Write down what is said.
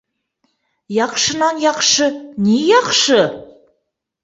Яҡшынан-яҡшы ни яҡшы?